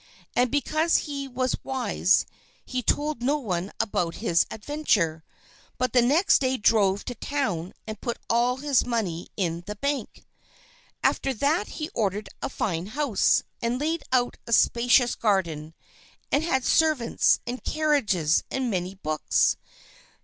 And because he was wise, he told no one about his adventure, but the next day drove to town and put all his money in the bank. After that he ordered a fine house, and laid out a spacious garden, and had servants, and carriages, and many books.